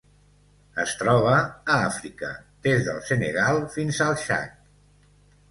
Es troba a Àfrica: des del Senegal fins al Txad.